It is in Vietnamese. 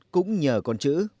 cũng nhờ con chữ